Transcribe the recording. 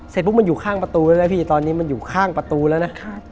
เสร็จปุ๊บมันอยู่ข้างประตูแล้วนะพี่ตอนนี้มันอยู่ข้างประตูแล้วนะ